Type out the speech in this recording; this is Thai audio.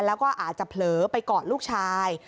แล้วก็อาจจะเผลอไปกอดลูกชาย